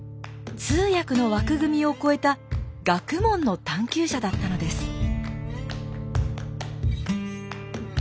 通訳の枠組みを超えた学問の探究者だったのです。